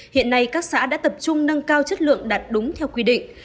hiện nay các xã đã tập trung nâng cao chất lượng đạt đúng theo quy định